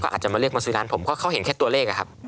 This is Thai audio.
อาจจะมาเรียกมาซื้อร้านผมเพราะเขาเห็นแค่ตัวเลขอะครับ